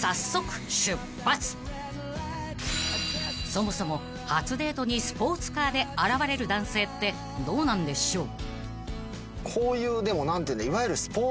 ［そもそも初デートにスポーツカーで現れる男性ってどうなんでしょう？］